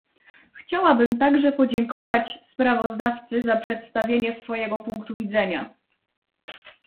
Chciałabym także podziękować sprawozdawcy za przedstawienie swojego punktu widzenia